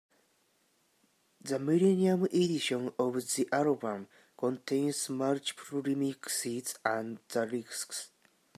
The millennium edition of the album contains multiple remixes and the lyrics.